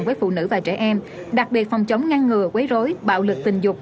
với phụ nữ và trẻ em đặc biệt phòng chống ngăn ngừa quấy rối bạo lực tình dục